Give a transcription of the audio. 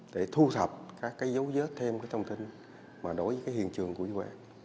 để thu thập các cái dấu vết thêm cái thông tin mà đối với cái hiện trường của vụ án